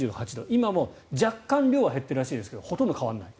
今も若干量は減っているらしいですがほとんど変わらない。